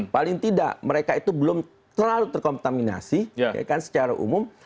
paling tidak mereka itu belum terlalu terkontaminasi secara umum